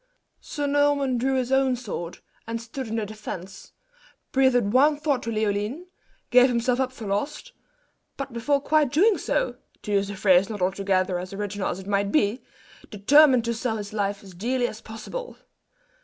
Sir Norman drew his own sword, and stood on the defence, breathed one thought to Leoline, gave himself up for lost; but before quite doing so to use a phrase not altogether as original as it might be "determined to sell his life as dearly as possible."